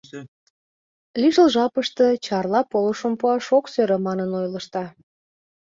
Лишыл жапыште Чарла полышым пуаш ок сӧрӧ, манын ойлышда.